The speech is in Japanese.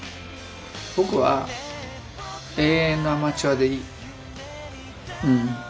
僕は永遠のアマチュアでいい。